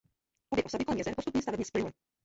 Obě osady kolem jezer postupně stavebně splynuly.